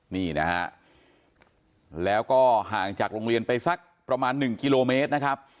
นี่นะฮะแล้วก็ห่างจากโรงเรียนไปสักประมาณ๑กิโลเมตรนะครับ